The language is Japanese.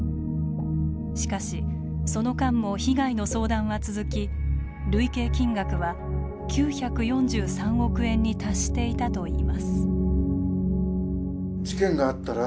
しかしその間も被害の相談は続き累計金額は９４３億円に達していたといいます。